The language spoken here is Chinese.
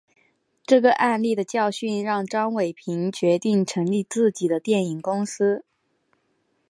这个案例的教训让张伟平决定成立自己的电影公司。